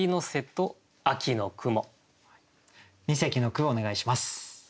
二席の句をお願いします。